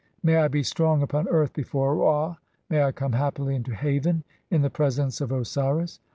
May I be strong upon earth before Ra, may "I come happily into haven (36) in the presence of Osiris.